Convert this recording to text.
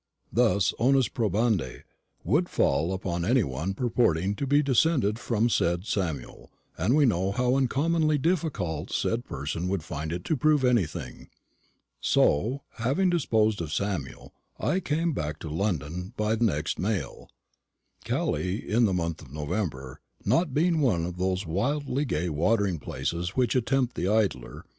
The onus probandi would fall upon any one purporting to be descended from the said Samuel, and we know how uncommonly difficult said person would find it to prove anything. "So, having disposed of Samuel, I came back to London by the next mail; Calais, in the month of November, not being one of those wildly gay watering places which tempt the idler.